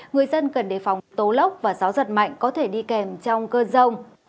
người dân cần đề phòng tố lốc và gió giật mạnh có thể đi kèm trong cơn rông